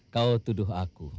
kau tuduh aku